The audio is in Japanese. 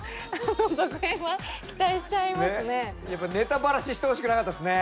やっぱネタばらししてほしくなかったですね。